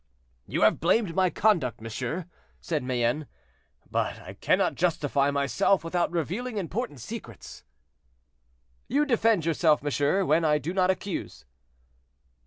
"You have blamed my conduct, monsieur," said Mayenne; "but I cannot justify myself without revealing important secrets." "You defend yourself, monsieur, when I do not accuse."